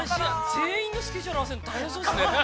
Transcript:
◆全員のスケジュール合わせるの大変そうですね。